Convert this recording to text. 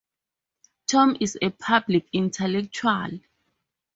Tom is a public intellectual.